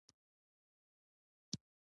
د افغانستان سینما پرمختګ غواړي